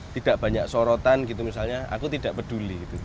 tidak banyak sorotan gitu misalnya aku tidak peduli